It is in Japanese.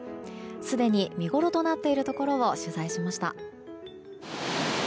すでに見ごろとなっているところを取材しました。